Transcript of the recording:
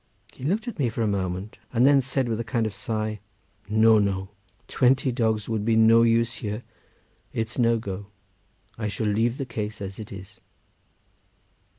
He looked at me for a moment, and then said with a kind of sigh, "No, no! twenty dogs would be of no use here. It's no go—I shall leave the case as it is."